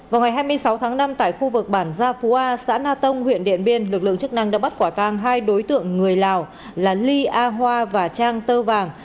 vào ngày hai mươi sáu tháng năm tại khu vực bản gia phú a xã na tông huyện điện biên lực lượng chức năng đã bắt quả tang hai đối tượng người lào là ly a hoa và trang tơ vàng